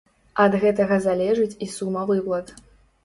Ад гэтага залежыць і сума выплат.